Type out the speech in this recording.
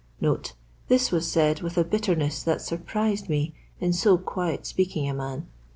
[This was said with a bitterness I that surprised me in so quiet speaking a man.